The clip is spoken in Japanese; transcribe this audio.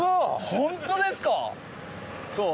ホントですか⁉そう。